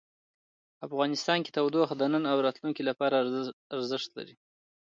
افغانستان کې تودوخه د نن او راتلونکي لپاره ارزښت لري.